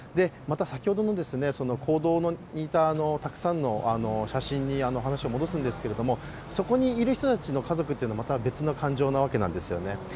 先ほどの講堂にいたたくさんの写真に話を戻すんですけれどもそこにいる人たちの家族はまた別な感情なわけなんですよね。